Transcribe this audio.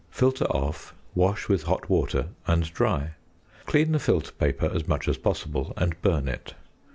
Filter off, wash with hot water, and dry. Clean the filter paper as much as possible, and burn it.